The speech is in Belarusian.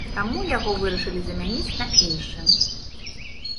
Таму яго вырашылі замяніць на іншы.